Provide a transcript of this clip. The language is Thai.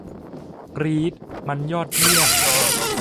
กรี๊ด มันยอดเยี่ยม